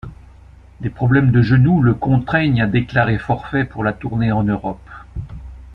Des problèmes de genou le contraignent à déclarer forfait pour la tournée en Europe.